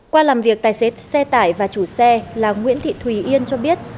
qua làm việc tài xế xe tải và chủ xe là nguyễn thị thùy yên cho biết